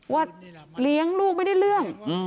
ว่าเลี้ยงลูกไม่ได้เรื่อง